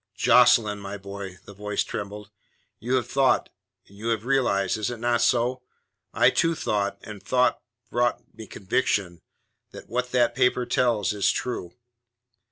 "Jocelyn, my boy," the voice trembled. "You have thought, and you have realized is it not so? I too thought, and thought brought me conviction that what that paper tells is true."